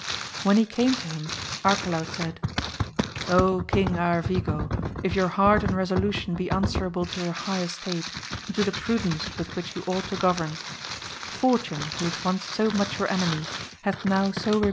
When he came to him Arcalaus said, King Aravigo, if your heart and Resolution be answerable to your high estate, and to the prudence with which you ought to govern, fortune who was once so much your enemy hath now so re AMADIS OF OAUL.